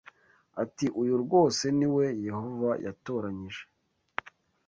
ati uyu rwose ni we Yehova yatoranyije